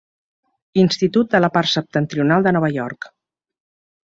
Institut de la part septentrional de Nova York.